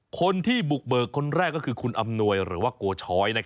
คนที่บุกเบิกคนแรกก็คือคุณอำนวยหรือว่าโกช้อย